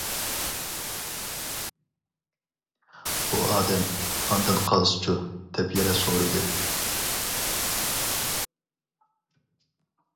ئۇ ئادەم:ئاندىن قالسىچۇ؟ دەپ يەنە سورىدى.